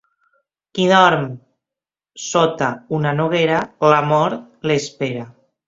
Qui dorm sota una noguera, la mort l'espera.